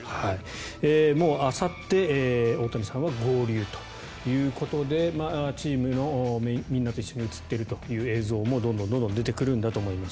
もうあさって、大谷さんは合流ということでチームのみんなと一緒に映っているという映像もどんどん出てくるんだと思います。